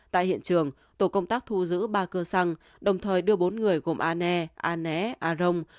tại hiện trường tổ công tác thu giữ ba cưa xăng đồng thời đưa bốn người gồm a nè a né a rồng